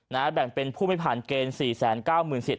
แบ่งเป็นผู้ไม่ผ่านเกณฑ์สี่แสนเก้าหมื่นสิทธ